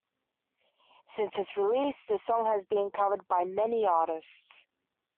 Since its release, the song has been covered by many artists.